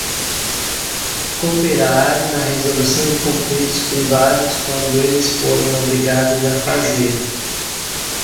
Cooperar na resolução de conflitos privados quando eles forem obrigados a fazê-lo.